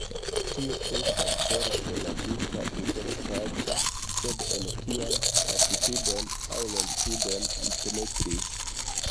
Tio estas certe la ĝusta interspaco, sed en kian latitudon aŭ longitudon mi penetris?